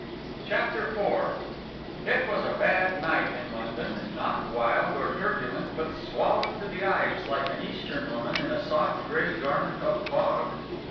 CHAPTER IV It was a bad night in London, not wild or turbulent, but swathed to the eyes like an Eastern woman in a soft grey garment of fog.